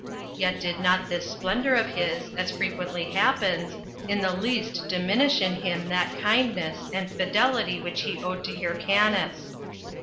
Yet did not this splendor of his, as frequently happens, in the least diminish in him that kindness and fidelity which he owed to Hyrcanus.